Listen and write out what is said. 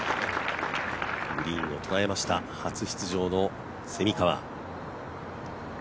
グリーンを捉えました、初出場の蝉川。